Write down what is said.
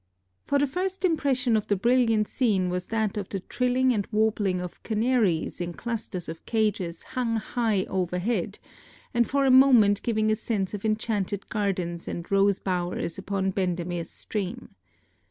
For the first impression of the brilliant scene was that of the trilling and warbling of canaries in clusters of cages hung high overhead, and for a moment giving a sense of enchanted gardens and rose bowers upon Bendermere's stream.